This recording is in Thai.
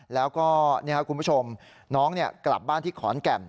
แล้วก็คุณผู้ชมน้องกลับบ้านที่ขอนแก่น